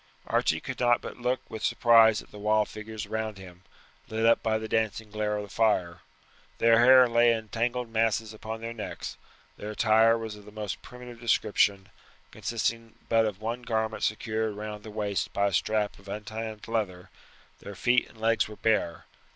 Archie could not but look with surprise at the wild figures around him, lit up by the dancing glare of the fire. Their hair lay in tangled masses on their necks; their attire was of the most primitive description, consisting but of one garment secured round the waist by a strap of untanned leather; their feet and legs were bare.